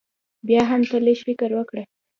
بيا هم تۀ لږ فکر وکړه